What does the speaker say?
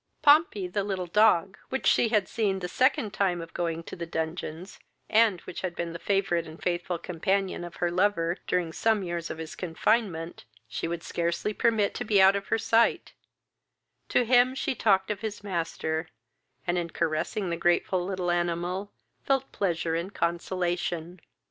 Pompey, the little dog, which she had seen the second time of going to the dungeons, and which had been the favourite and faithful companion of her lover during some years of his confinement, she would scarcely permit to be out of her sight: to him she talked of his master, and in caressing the grateful little animal felt pleasure and consolation.